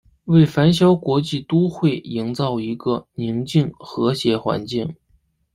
为繁嚣国际都会营造一个宁静和谐环境。